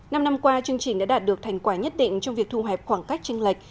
năm năm qua chương trình đã đạt được thành quả nhất định trong việc thu hẹp khoảng cách tranh lệch